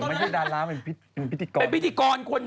เป็นพิธีกร